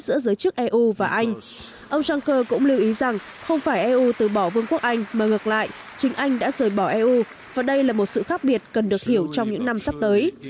giữa giới chức eu và anh ông juncker cũng lưu ý rằng không phải eu từ bỏ vương quốc anh mà ngược lại chính anh đã rời bỏ eu và đây là một sự khác biệt cần được hiểu trong những năm sắp tới